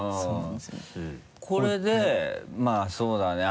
これでまぁそうだね。